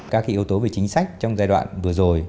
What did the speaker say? các yếu tố về chính sách trong giai đoạn vừa rồi